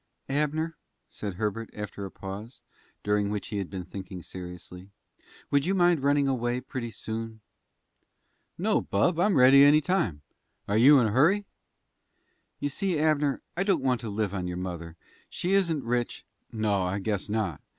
"Abner," said Herbert, after a pause, during which he had been thinking seriously, "would you mind running away pretty soon?" "No, bub; I'm ready any time. Are you in a hurry?" "You see, Abner, I don't want to live on your mother. She isn't rich " "No, I guess not.